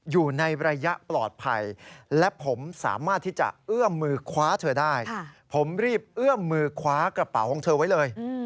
อย่าปล้าเถอะได้ผมรีบเอื้อมมือกระเบาของเธอไว้เลย